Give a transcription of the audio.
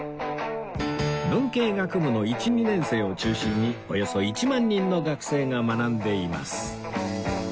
文系学部の１・２年生を中心におよそ１万人の学生が学んでいます